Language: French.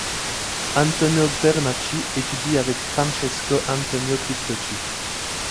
Antonio Bernacchi étudie avec Francesco Antonio Pistocchi.